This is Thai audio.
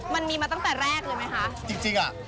มันมีมาตั้งแต่แรกเลยไหมค่ะ